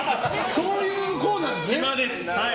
そういうコーナーですね。